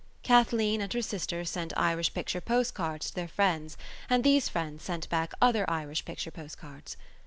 Kathleen and her sister sent Irish picture postcards to their friends and these friends sent back other Irish picture postcards.